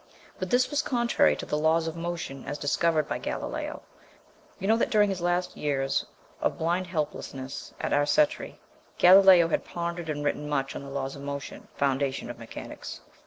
But this was contrary to the laws of motion as discovered by Galileo. You know that during his last years of blind helplessness at Arcetri, Galileo had pondered and written much on the laws of motion, the foundation of mechanics.